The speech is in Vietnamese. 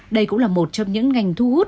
đây cũng là một trong những ngành thu hút